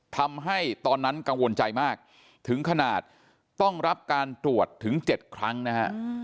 ทำให้ตอนนั้นกังวลใจมากถึงขนาดต้องรับการตรวจถึง๗ครั้งนะฮะ